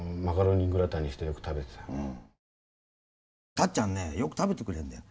たっちゃんねよく食べてくれんだよ。